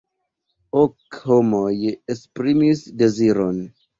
Ok homoj esprimis deziron.